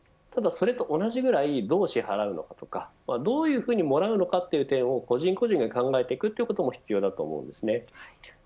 ただし、それと同じくらいどういうふうに払うのかどういうふうに貰うのかという点を個人個人が考えていくことも必要です。